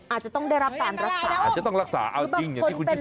อาจจะต้องได้รับการรักษาอาจจะต้องรักษาเอาจริงอย่างที่คุณชิน